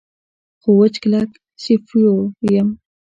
خو وچ کلک سیفور یم.